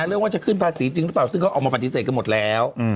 เรื่องว่าจะขึ้นภาษีจริงหรือเปล่าซึ่งเขาออกมาปฏิเสธกันหมดแล้ว